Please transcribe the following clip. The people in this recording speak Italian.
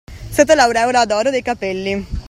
Sotto l’aureola d’oro dei capelli